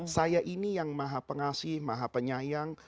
saya ini yang maha pengasih maha penyayang